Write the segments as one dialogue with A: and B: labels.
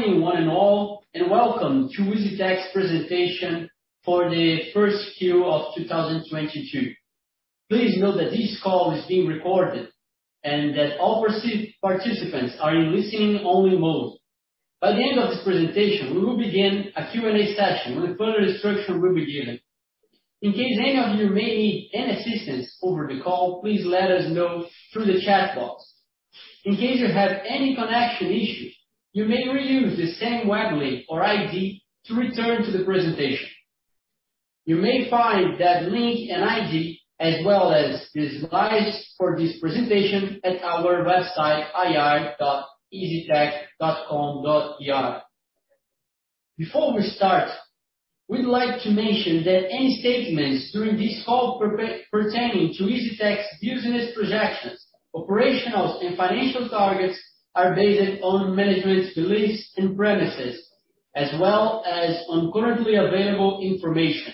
A: Good morning, one and all. Welcome to EZTEC presentation for the first quarter of 2022. Please note that this call is being recorded and that all participants are in listen-only mode. By the end of this presentation, we will begin a Q&A session when further instructions will be given. In case any of you may need any assistance over the call, please let us know through the chat box. In case you have any connection issues, you may reuse the same web link or ID to return to the presentation. You may find that link and ID as well as the slides for this presentation at our website ir.eztec.com.br. Before we start, we'd like to mention that any statements during this call pertaining to EZTEC business projections, operational and financial targets are based on management's beliefs and premises as well as on currently available information.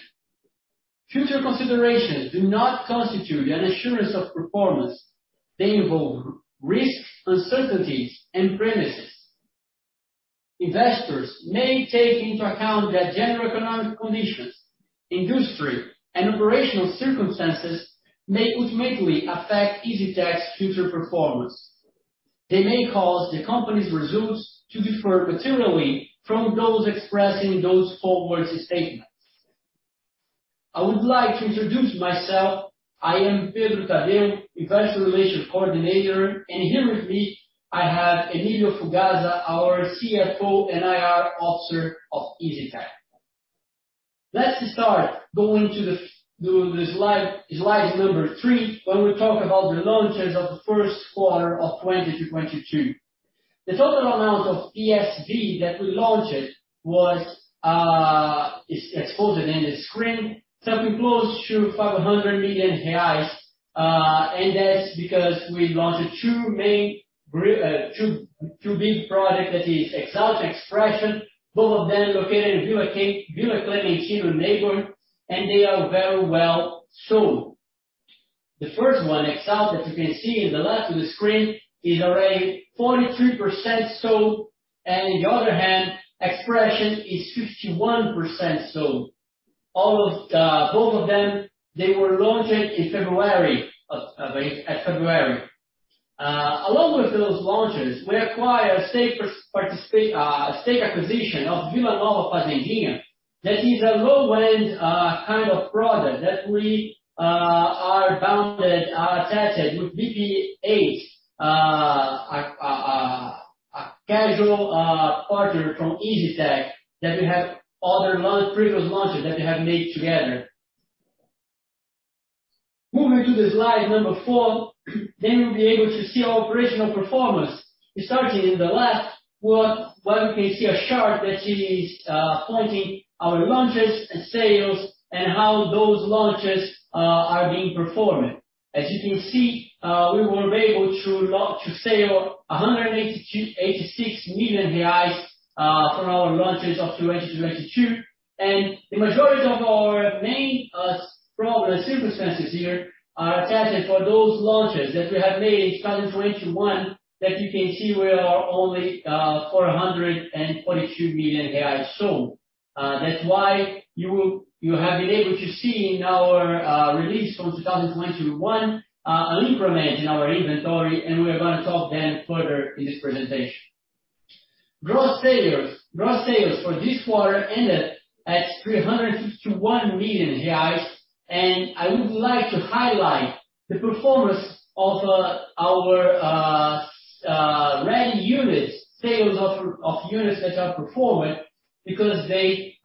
A: Forward-looking statements do not constitute an assurance of performance. They involve risks, uncertainties and assumptions. Investors may take into account that general economic conditions, industry and operational circumstances may ultimately affect EZTEC future performance. They may cause the company's results to differ materially from those expressing those forward statements. I would like to introduce myself. I am Pedro Tadeu, investor relations coordinator, and here with me I have Emílio Fugazza, our CFO and IR Officer of EZTEC. Let's start going to the slide number 3, where we talk about the launches of the first quarter of 2022. The total amount of PSV that we launched is exposed in the screen, something close to 500 million reais. That's because we launched two big projects, that is Exalt, Expression, both of them located in Vila Clementino neighborhood, and they are very well sold. The first one, Exalt, that you can see in the left of the screen is already 43% sold, and on the other hand Expression is 51% sold. Both of them were launched in February. Along with those launches, we acquired a stake acquisition of Vila Nova Fazendinha. That is a low-end kind of product that we are attached with BP8. A casual partner from EZTEC that we have other previous launches that we have made together. Moving to the slide number 4, then we'll be able to see our operational performance. Starting on the left where we can see a chart that is pointing to our launches and sales and how those launches are being performed. As you can see, we were able to sell 86 million reais from our launches of 2020-2022. The majority of our main launches here are the ones that we have made in 2020-2021 that you can see we are only 442 million reais sold. That's why you have been able to see in our release from 2021 an increment in our inventory and we're gonna talk then further in this presentation. Gross sales for this quarter ended at 351 million reais. I would like to highlight the performance of our ready units sales of units that are performing because they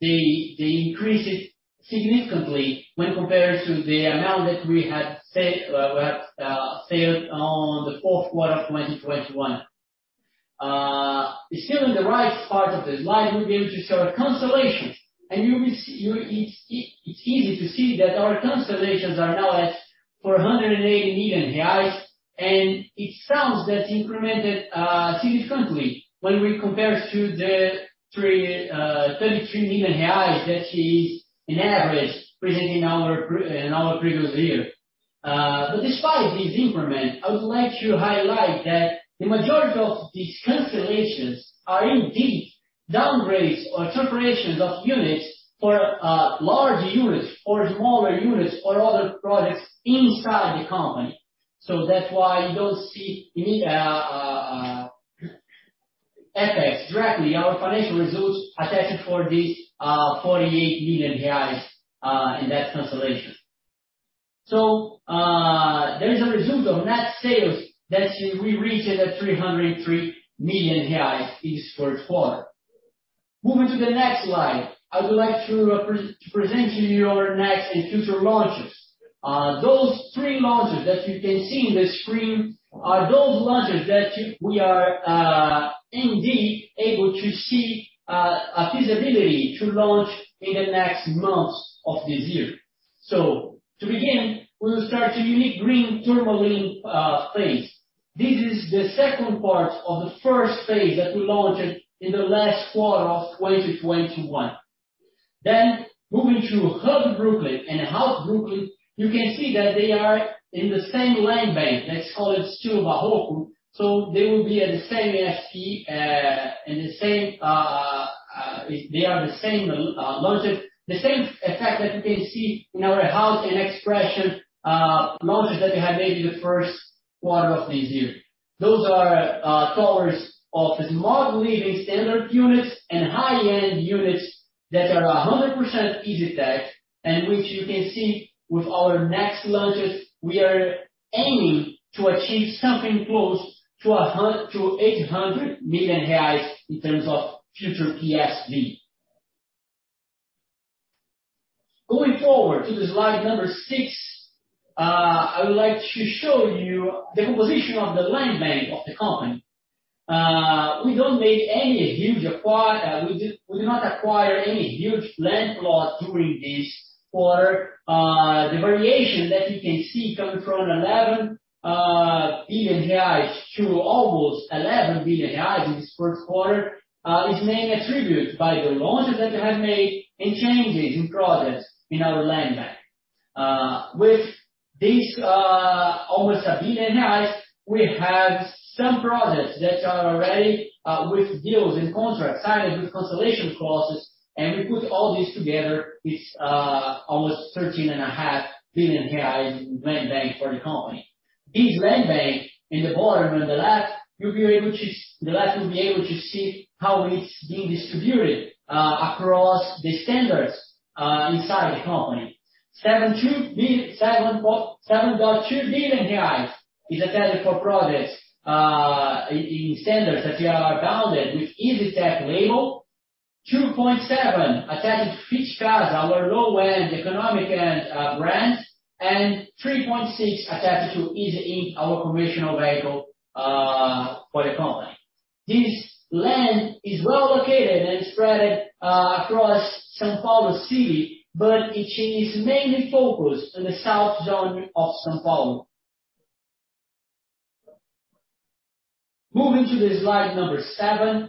A: increased significantly when compared to the amount that we had sold in the fourth quarter of 2021. Still in the right part of the slide, we're going to show cancellations. You will see it's easy to see that our cancellations are now at 480 million reais, and it sounds that's incremented significantly when we compare to the 33 million reais that is in average present in our previous year. Despite this increment, I would like to highlight that the majority of these cancellations are indeed downgrades or separations of units for large units or smaller units or other products inside the company. That's why you don't see any effects directly on our financial results attached for this 48 million reais in that cancellation. There is a result of net sales that we reached at 303 million reais in this first quarter. Moving to the next slide, I would like to present to you our next and future launches. Those three launches that you can see on the screen are those launches that we are indeed able to see a feasibility to launch in the next months of this year. To begin, we will start Unique Green Tourmaline phase. This is the second part of the first phase that we launched in the last quarter of 2021. Moving to Heart Brooklyn and House Brooklyn, you can see that they are in the same land bank. Let's call it Silva Horto, so they will be at the same PSV, and the same launches. The same effect that you can see in our House and Expression launches that we have made in the first quarter of this year. Those are towers of small living standard units and high-end units that are 100% EZTEC, and which you can see with our next launches, we are aiming to achieve something close to 800 million reais in terms of future PSV. Going forward to the slide number 6, I would like to show you the composition of the land bank of the company. We do not acquire any huge land plot during this quarter. The variation that you can see coming from 11 billion reais to almost 11 billion reais in this first quarter is mainly attributed by the launches that we have made and changes in projects in our land bank. With this almost 1 billion, we have some projects that are already with deals and contracts signed with escalation clauses, and we put all this together, it's almost 13.5 billion reais land bank for the company. This land bank in the bottom on the left, you'll be able to see how it's being distributed across the standards inside the company. 7.2 billion reais is accounted for projects in standards that we are branded with EZTEC label. 2.7 attached to Fit Casa, our low-end economic brand, and 3.6 attached to EZ Inc, our commercial vehicle for the company. This land is well located and spread across São Paulo City, but it is mainly focused on the south zone of São Paulo. Moving to the slide number 7,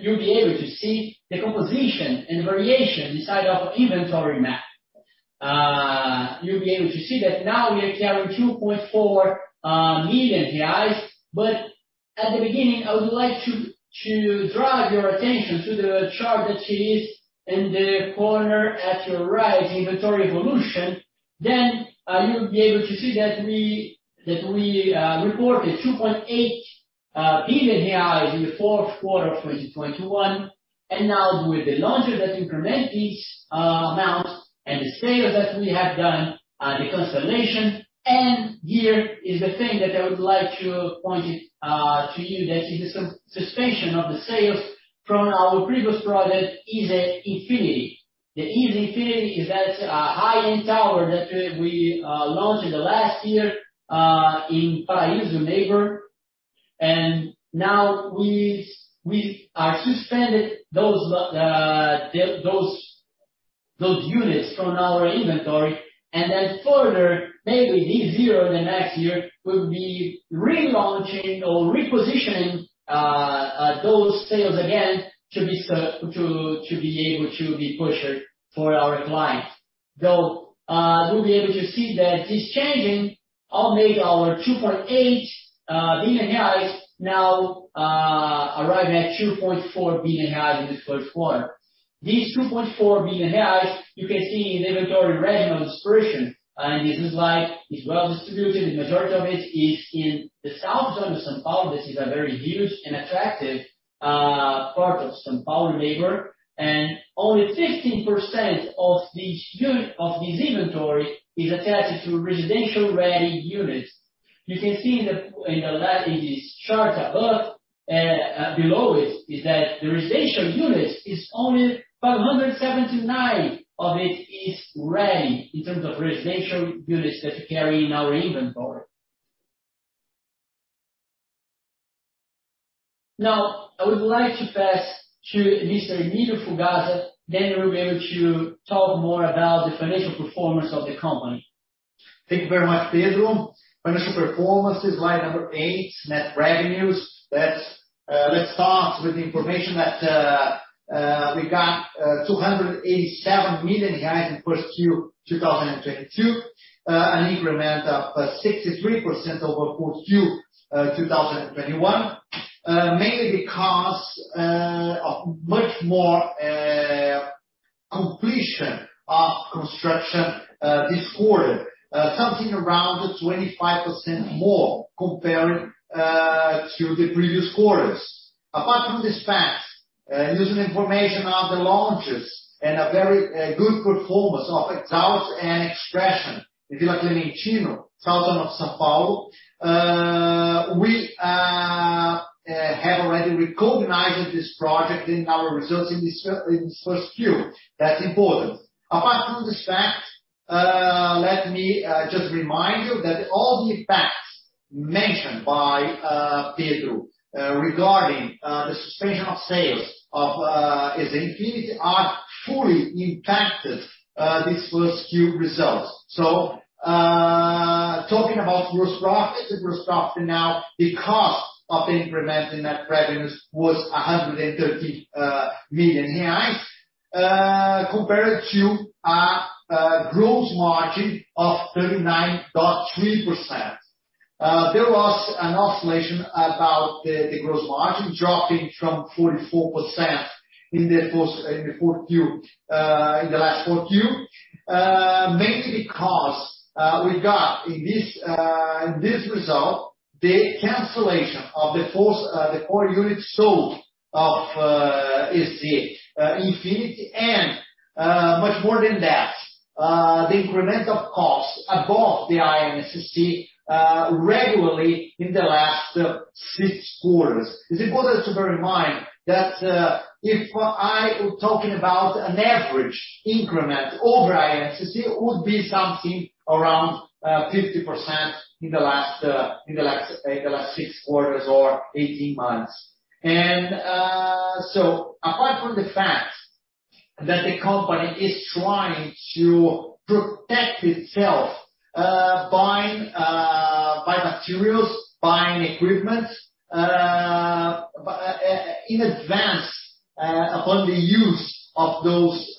A: you'll be able to see the composition and variation inside of inventory map. You'll be able to see that now we are carrying 2.4 million. At the beginning, I would like to draw your attention to the chart that is in the corner at your right, inventory evolution. You'll be able to see that we reported 2.8 billion reais in the fourth quarter of 2021. Now with the launches that increment this amount and the sales that we have done, the consolidation. Here is the thing that I would like to point it to you that is the suspension of the sales from our previous product, EZ Infinity. The EZ Infinity is that high-end tower that we launched in the last year in Paraíso neighborhood. We are suspending those units from our inventory, and then further, maybe this year or the next year, we'll be relaunching or repositioning those sales again to be able to be pushed for our clients. Though, you'll be able to see that this changing of maybe our 2.8 billion now arrive at 2.4 billion in this first quarter. This 2.4 billion you can see in the inventory regional distribution, and this is like, it's well distributed. The majority of it is in the south zone of São Paulo. This is a very huge and attractive part of São Paulo neighborhood. Only 15% of this inventory is attached to residential-ready units. You can see in this chart above, below it, that the residential units is only 579 of it is ready in terms of residential units that we carry in our inventory. Now, I would like to pass to Mr. Emílio Fugazza, then he will be able to talk more about the financial performance of the company.
B: Thank you very much, Pedro. Financial performance is slide number 8, net revenues. Let's start with the information that we got 287 million in 1Q 2022. An increment of 63% over 1Q 2021. Mainly because of much more completion of construction this quarter. Something around 25% more comparing to the previous quarters. Apart from this fact, using information of the launches and a very good performance of Exalt and Expression in Vila Clementino, south zone of São Paulo, we have already recognized this project in our results in this 1Q. That's important. Apart from this fact, let me just remind you that all the impacts mentioned by Pedro regarding the suspension of sales of EZ Infinity are fully impacted this first Q results. Talking about gross profit, the gross profit now, the cost of implementing that revenues was 130 million reais compared to a gross margin of 39.3%. There was an oscillation about the gross margin dropping from 44% in the fourth quarter in the last quarter, mainly because we got in this result the cancellation of the four units sold of EZ Infinity and much more than that the incremental cost above the INCC regularly in the last six quarters. It's important to bear in mind that if I were talking about an average increment over INCC, it would be something around 50% in the last six quarters or 18 months. Apart from the fact that the company is trying to protect itself buying materials, buying equipment in advance upon the use of those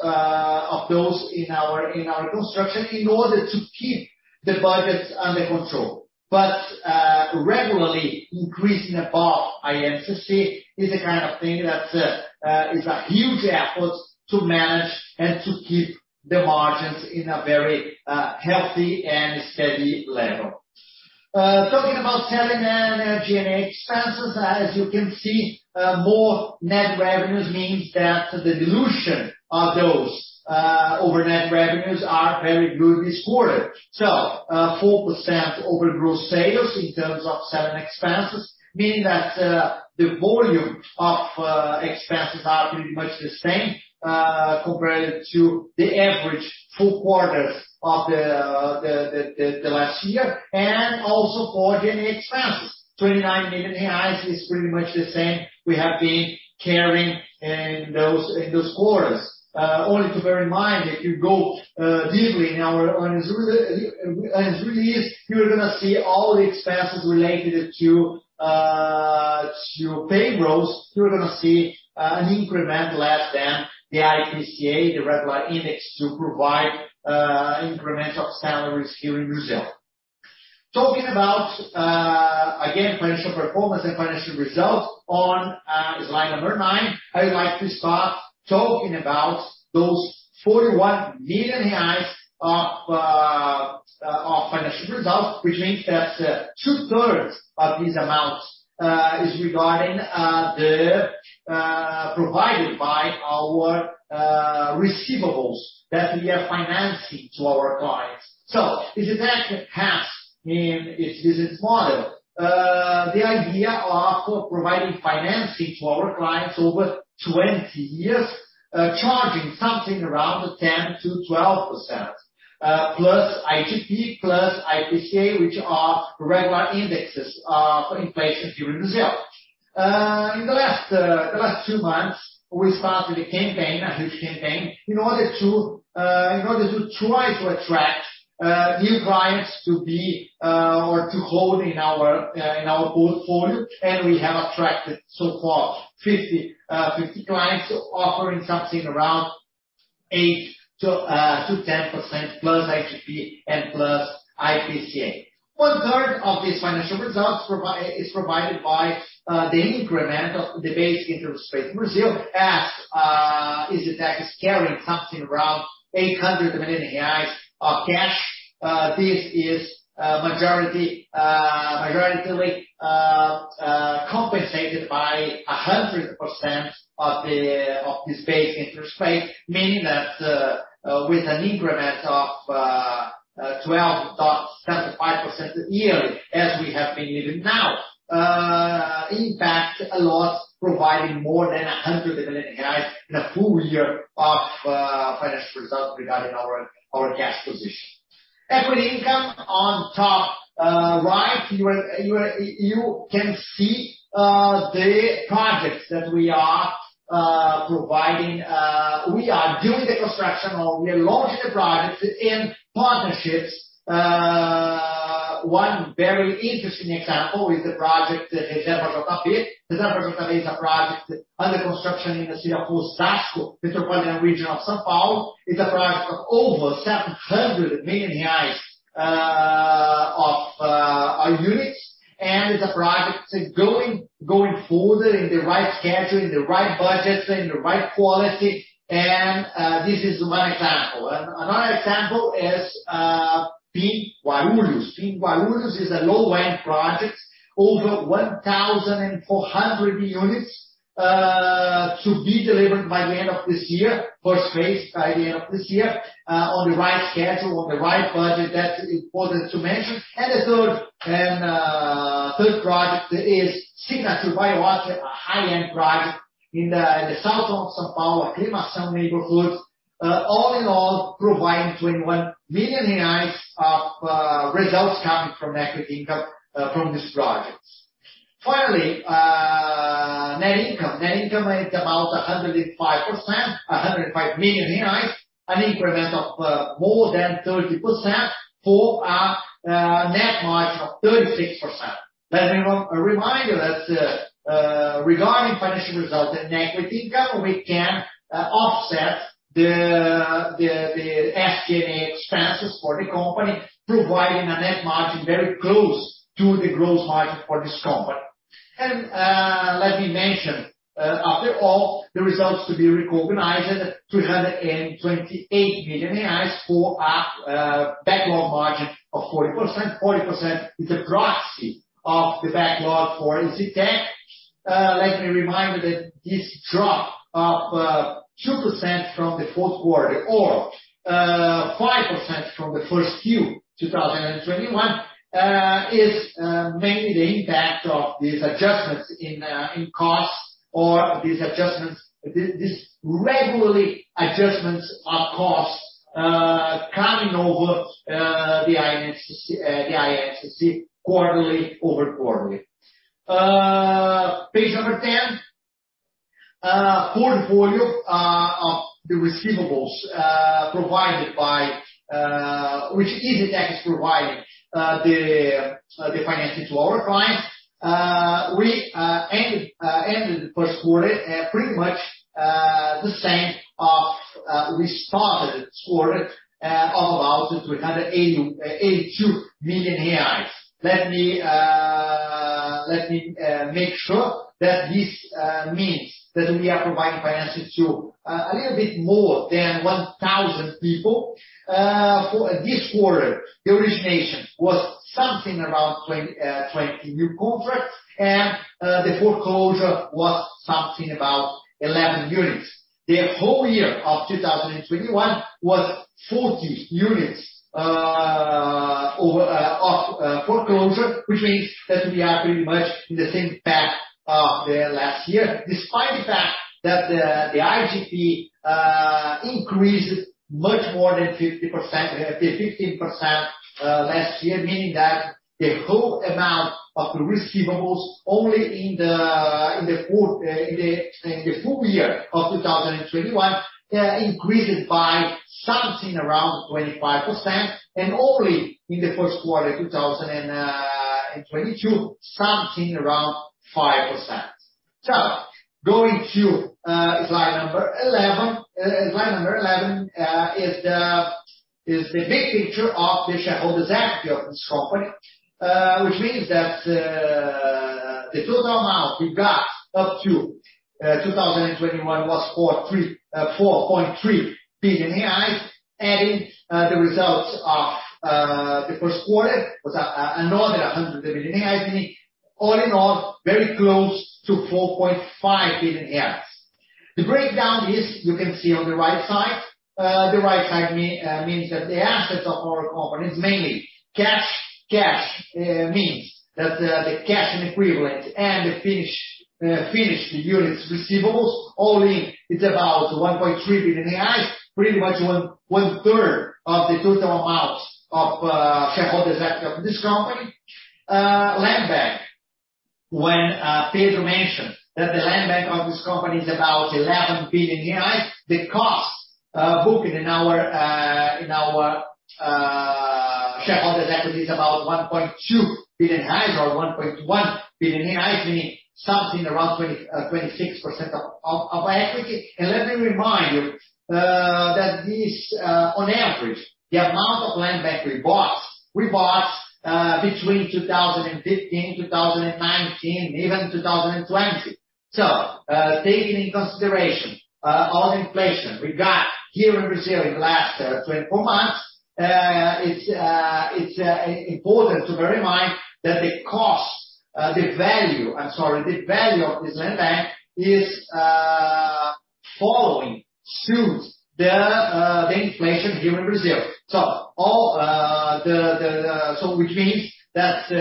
B: in our construction in order to keep the budgets under control. Regularly increasing above INCC is the kind of thing that is a huge effort to manage and to keep the margins in a very healthy and steady level. Talking about selling and G&A expenses, as you can see, more net revenues means that the dilution of those over net revenues are very good this quarter. 4% over gross sales in terms of selling expenses, meaning that the volume of expenses are pretty much the same compared to the average four quarters of the last year. For G&A expenses, 29 million reais is pretty much the same we have been carrying in those quarters. Only to bear in mind, if you go deeply in our earnings release, you're gonna see all the expenses related to payrolls. You're gonna see an increment less than the IPCA, the regular index to provide incremental salaries here in Brazil. Talking about again financial performance and financial results on slide 9. I would like to start talking about those 41 million reais of financial results, which means that two-thirds of these amounts is regarding the provided by our receivables that we are financing to our clients. This is actually part of its business model. The idea of providing financing to our clients over 20 years, charging something around 10%-12%, plus IGP, plus IPCA, which are regular indexes for inflation here in Brazil. In the last 2 months, we started a campaign, a huge campaign in order to try to attract new clients to buy or to hold in our portfolio. We have attracted so far 50 clients offering something around 8%-10% plus IGP and plus IPCA. One third of these financial results is provided by the increment of the base interest rate in Brazil as we are carrying something around 800 million reais of cash. This is majoritarily compensated by 100% of this base interest rate, meaning that with an increment of 12.75% yearly as we have been living now, in fact, a lot providing more than 100 million in a full year of financial results regarding our cash position. Equity income on top, right, you can see the projects that we are providing. We are doing the construction or we are launching the projects in partnerships. One very interesting example is the project Reserva Botafogo. Reserva Botafogo is a project under construction in the city of São Francisco, metropolitan region of São Paulo. It's a project of over 700 million reais of our units, and it's a project going further in the right scheduling, the right budgets, and the right quality. This is one example. Another example is Pinheirinhos. Pinheirinhos is a low-end project, over 1,400 units, to be delivered by the end of this year. First phase by the end of this year, on the right schedule, on the right budget. That's important to mention. The third project is Signature by Zaffari, a high-end project in the south of São Paulo, Aclimação neighborhood. All in all, providing 21 million reais of results coming from equity income from these projects. Finally, net income. Net income is about 105%, 105 million. An increment of more than 30% for a net margin of 36%. Let me remind you that, regarding financial results and net equity income, we can offset the SG&A expenses for the company, providing a net margin very close to the gross margin for this company. Let me mention, after all, the results to be recognized, 328 million reais for a backlog margin of 40%. 40% is a proxy of the backlog for EZTEC. Let me remind you that this drop of 2% from the fourth quarter or 5% from the first Q, 2021, is mainly the impact of these adjustments in costs or these regular adjustments of costs coming over the INCC quarter-over-quarter. Page 10. Portfolio of the receivables provided by which EZTEC is providing the financing to our clients. We ended the first quarter pretty much the same as we started the quarter of about 382 million reais. Let me make sure that this means that we are providing financing to a little bit more than 1,000 people. For this quarter, the origination was something around 20 new contracts and the foreclosure was something about 11 units. The whole year of 2021 was 40 units of foreclosure, which means that we are pretty much in the same path of the last year, despite the fact that the IGP increased much more than 50%, 15% last year. Meaning that the whole amount of the receivables only in the full year of 2021 increased by something around 25%, and only in the first quarter 2022, something around 5%. Going to slide 11. Slide 11 is the big picture of the shareholders' equity of this company. Which means that the total amount we got up to 2021 was 4.3 billion reais. Adding the results of the first quarter was another 100 million, meaning all in all, very close to BRL 4.5 billion. The breakdown is, you can see on the right side. The right side means that the assets of our company is mainly cash. Cash means that the cash and equivalent and the finished units receivables all in it's about 1.3 billion reais, pretty much one third of the total amount of shareholders equity of this company. Land bank. When Pedro mentioned that the land bank of this company is about BRL 11 billion, the cost booking in our shareholders equity is about 1.2 billion or 1.1 billion, meaning something around 26% of our equity. Let me remind you that this, on average, the amount of land bank we bought we bought between 2015, 2019, even 2020. Taking into consideration all the inflation we got here in Brazil in the last 24 months, it's important to bear in mind that the value of this land bank is following suit the inflation here in Brazil. Which means that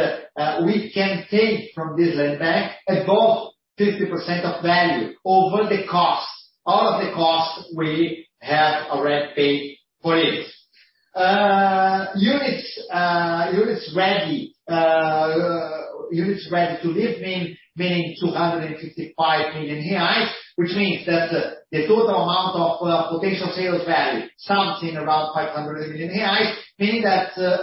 B: we can take from this land bank above 50% of value over the costs, all of the costs we have already paid for it. Units ready to live meaning 255 million reais, which means that the total amount of potential sales value, something around 500 million, meaning that the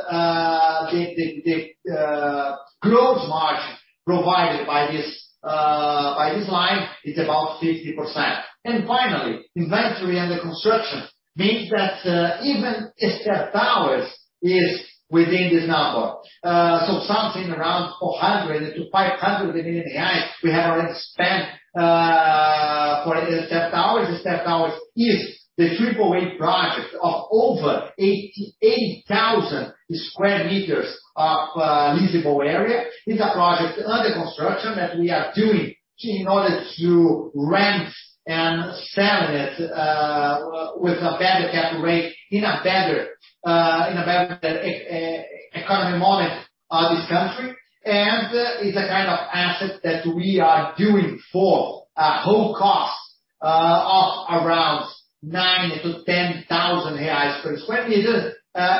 B: gross margin provided by this line is about 50%. Finally, inventory under construction means that even EZ Towers is within this number. Something around 400 million-500 million reais we have already spent for EZ Towers. EZ Towers is the triple A project of over 80,000 sq m of leasable area. It's a project under construction that we are doing in order to rent and selling it with a better cap rate in a better economy moment of this country. It's a kind of asset that we are doing for a whole cost of around 9,000-10,000 reais per square meter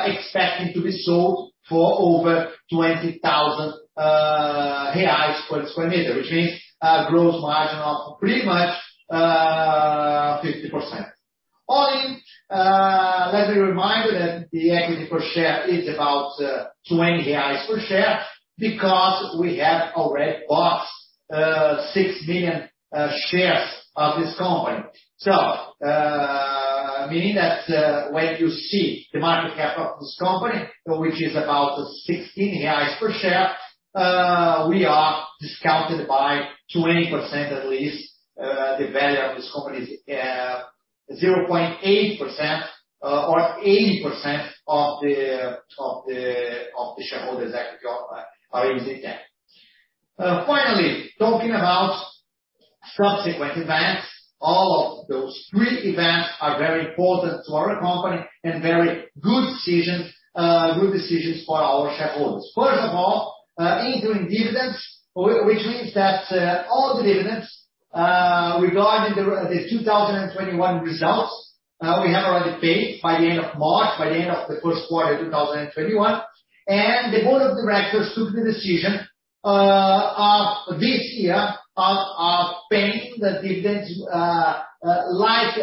B: expecting to be sold for over 20,000 reais per sq m, which means a gross margin of pretty much 50%. Only, let me remind you that the equity per share is about 20 reais per share because we have already bought 6 million shares of this company. Meaning that when you see the market cap of this company, which is about 16 reais per share, we are discounted by 20% at least, the value of this company is 0.8% or 80% of the shareholders' equity of EZTEC. Finally, talking about subsequent events, all of those three events are very important to our company and very good decisions for our shareholders. First of all, interim dividends, which means that all the dividends regarding the 2021 results we have already paid by the end of March, by the end of the first quarter 2021. The board of directors took the decision of this year of paying the dividends like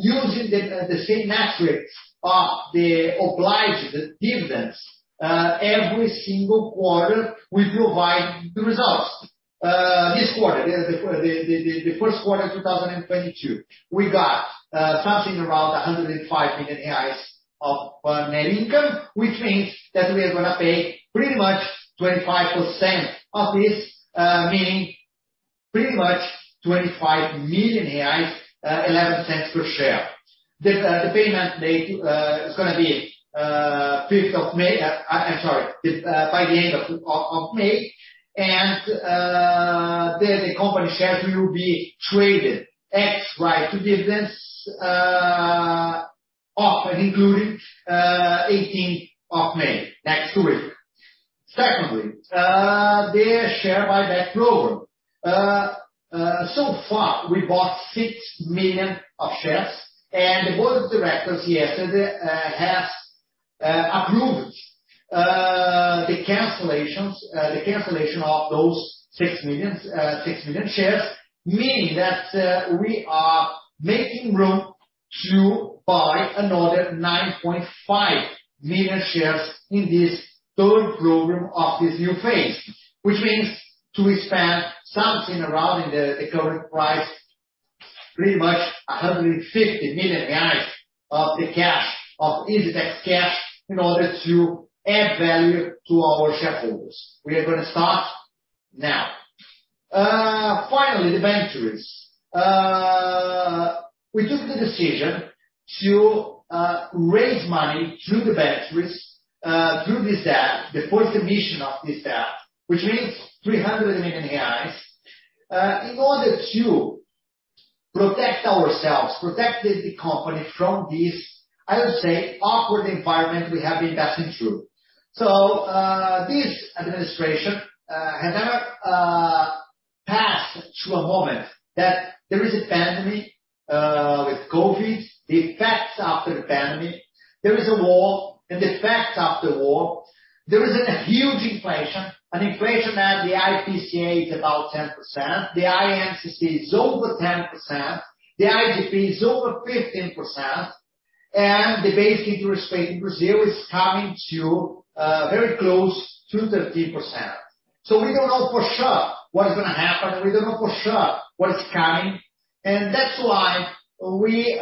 B: using the same metric of the obliged dividends every single quarter we provide the results. This quarter, the first quarter 2022, we got something around 105 million reais of net income, which means that we are gonna pay pretty much 25% of this, meaning pretty much 25 million reais, 0.11 per share. The payment date is gonna be May 5. I'm sorry, by the end of May, the company shares will be traded ex right to dividends of and including eighteenth of May next to it. Secondly, the share buyback program. So far we bought 6 million shares, and the board of directors yesterday has approved the cancellation of those 6 million shares, meaning that we are making room to buy another 9.5 million shares in this third program of this new phase. Which means to spend something around in the current price, pretty much 150 million reais of the EZTEC cash, in order to add value to our shareholders. We are gonna start now. Finally, the ventures. We took the decision to raise money through the debentures, through this debt, the fourth emission of this debt, which means 300 million reais, in order to protect ourselves, protect the company from this, I would say, awkward environment we have been passing through. This administration has never passed through a moment that there is a pandemic with COVID, the effects after the pandemic. There is a war and the effects after war. There is a huge inflation, an inflation that the IPCA is about 10%, the INCC is over 10%, the IGP is over 15%, and the basic interest rate in Brazil is coming to very close to 13%. We don't know for sure what is gonna happen, and we don't know for sure what is coming. That's why we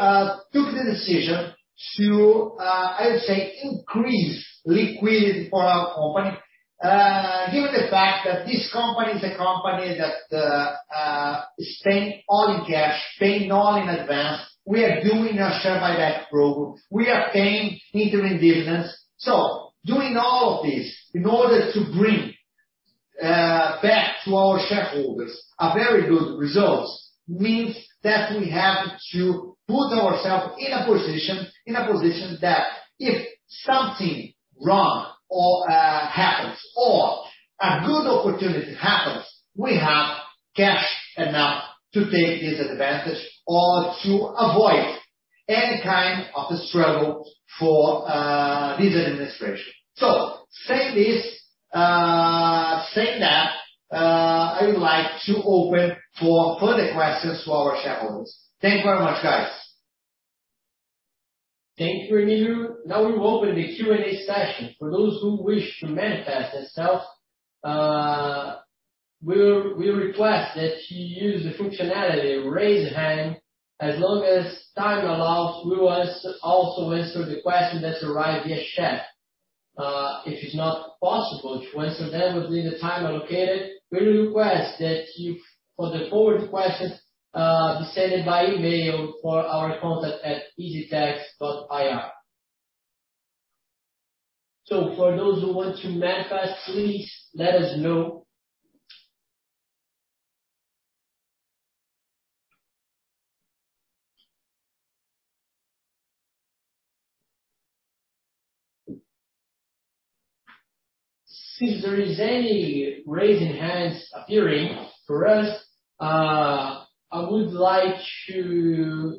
B: took the decision to, I would say, increase liquidity for our company. Given the fact that this company is a company that is paying all in cash, paying all in advance, we are doing our share buyback program, we are paying interim dividends. Doing all of this in order to bring back to our shareholders a very good results means that we have to put ourselves in a position that if something wrong or happens or a good opportunity happens, we have cash enough to take this advantage or to avoid any kind of a struggle for this administration. Saying this, saying that, I would like to open for further questions to our shareholders. Thank you very much, guys.
A: Thank you, Emilio Fugazza. Now we open the Q&A session. For those who wish to manifest themselves, we'll request that you use the functionality raise hand. As long as time allows, we will also answer the questions that arrive via chat. If it's not possible to answer them within the time allocated, we request that the follow-up questions be sent in by email to our contact at EZTEC IR. For those who want to manifest, please let us know. Since there are no raised hands appearing for us, I would like to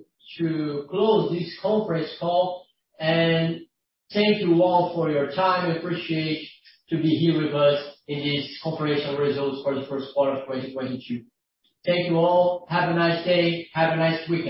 A: close this conference call. Thank you all for your time. We appreciate you to be here with us in this confirmation results for the first quarter of 2022. Thank you all. Have a nice day. Have a nice weekend.